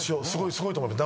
すごいと思います